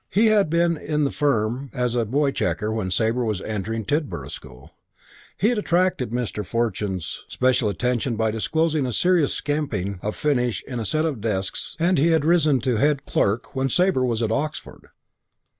He had been in the firm as a boy checker when Sabre was entering Tidborough School. He had attracted Mr. Fortune's special attention by disclosing a serious scamping of finish in a set of desks and he had risen to head clerk when Sabre was at Oxford.